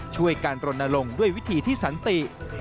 ช่วยการรณรงค์ด้วยวิธีที่สันติ